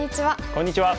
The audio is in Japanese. こんにちは。